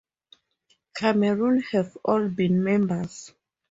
Cameron have all been members.